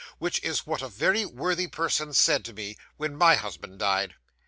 Which is what a very worthy person said to me when my husband died.